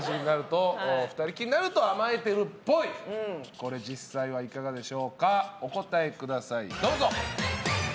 これ実際はいかがでしょうかお答えください、どうぞ。